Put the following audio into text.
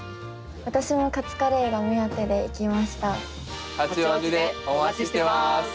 私もカツカレーが目当てで行きました。